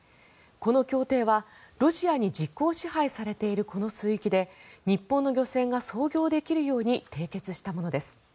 この協定はロシアに実効支配されているこの水域で日本の漁船が操業できるように締結したものです。